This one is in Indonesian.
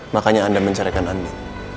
makanya anda mencarikan andin